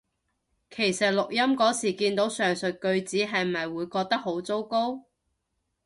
其實錄音嗰時見到上述句子係咪會覺得好糟糕？